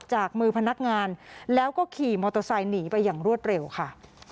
จากมือพนักงานแล้วก็ขี่มอเตอร์ไซค์หนีไปอย่างรวดเร็วค่ะ